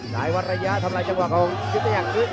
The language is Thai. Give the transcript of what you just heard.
สายวัดระยะทำลายจังหวะของยุติจักร